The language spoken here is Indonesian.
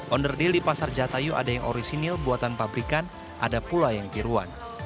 onder deal di pasar jatayu ada yang orisinil buatan pabrikan ada pula yang tiruan